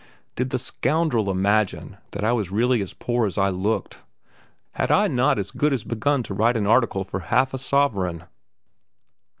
Did the scoundrel imagine that I really was as poor as I looked? Had I not as good as begun to write an article for half a sovereign?